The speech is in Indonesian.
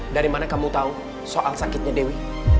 dari mana kamu tahu soal sakitnya dewi